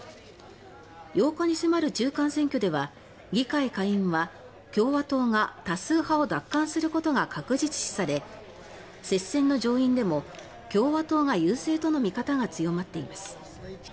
８日に迫る中間選挙では議会下院は共和党が多数派を奪還することが確実視され接戦の上院でも共和党が優勢との見方が強まっています。